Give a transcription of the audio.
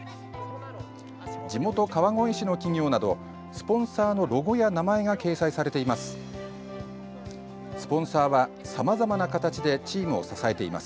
地元・川越市の企業などスポンサーのロゴや名前が掲載されています。